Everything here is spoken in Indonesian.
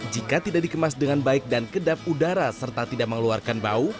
jika tidak dikemas dengan baik dan kedap udara serta tidak mengeluarkan bau